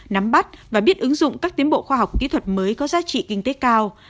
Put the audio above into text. nắm bắt và biết ứng dụng các tiến bộ khoa học kỹ thuật mới có giá trị kinh tế cao